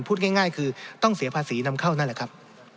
พูดง่ายคือต้องเสียภาษีนำเข้านั่นแหละครับ